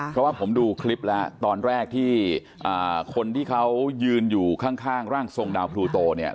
เพราะว่าผมดูคลิปแล้วตอนแรกที่คนที่เขายืนอยู่ข้างร่างทรงดาวพลูโตเนี่ย